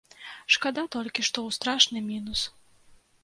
Шкада толькі, што ў страшны мінус.